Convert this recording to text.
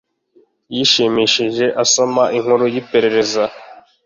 Yishimishije asoma inkuru yiperereza.